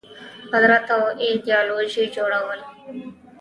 قدرت او ایدیالوژيو جوړول